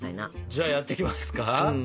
じゃあやっていきますか。